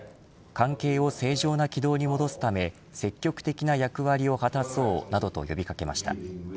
関係を正常な軌道に戻すため積極的な役割を果たそうなどと呼び掛けました。